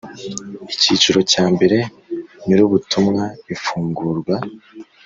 Icyiciro cya mbere Nyir’ubutumwa ifungurwa